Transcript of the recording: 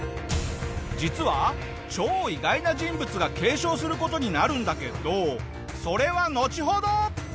実は超意外な人物が継承する事になるんだけどそれはのちほど！